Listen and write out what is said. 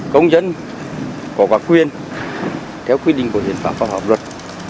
công dân có quả quyền theo quy định của huyện pháp và pháp luật